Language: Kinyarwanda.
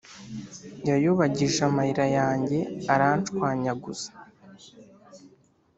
yayobagije amayira yanjye, aranshwanyaguza;